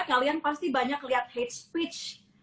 kalian pasti banyak lihat hate speech